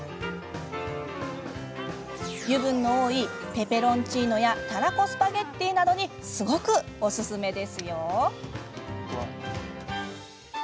油分の多いペペロンチーノやたらこスパゲッティなどにすごくおすすめですよ。